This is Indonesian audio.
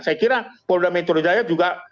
saya kira polda metro jaya juga